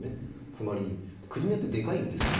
つまりクリミアってでかいんですよ。